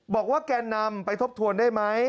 บอกว่าแกนำไปทบทวนได้ไหม